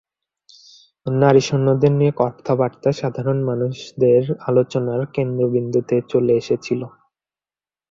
নারী সৈন্যদের নিয়ে কথাবার্তা সাধারণ মানুষদের আলোচনার কেন্দ্রবিন্দুতে চলে এসেছিলো।